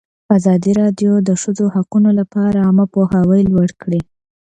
ازادي راډیو د د ښځو حقونه لپاره عامه پوهاوي لوړ کړی.